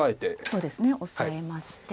そうですねオサえまして。